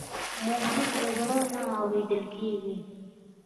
موزیک له زړه نه اورېدل کېږي.